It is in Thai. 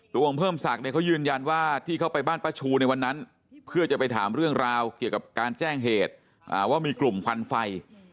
องค์เพิ่มศักดิ์เนี่ยเขายืนยันว่าที่เขาไปบ้านป้าชูในวันนั้นเพื่อจะไปถามเรื่องราวเกี่ยวกับการแจ้งเหตุว่ามีกลุ่มควันไฟ